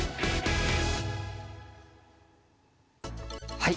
はい！